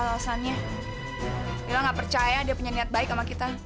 lila gak percaya dia punya niat baik sama kita